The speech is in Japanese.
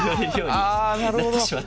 あなるほど。